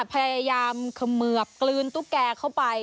พยายามเขมือบกลืนตุ๊กแกเข้าไป